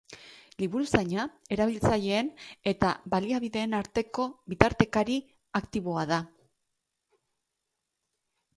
Liburuzaina erabiltzaileen eta baliabideen arteko bitartekari aktibo bat da.